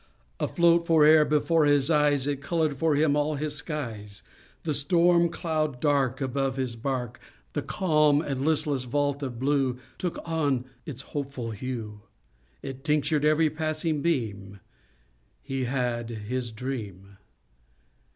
Afloat fore'er before his eyes, It colored for him all his skies: The storm cloud dark Above his bark, The calm and listless vault of blue Took on its hopeful hue, It tinctured every passing beam He had his dream.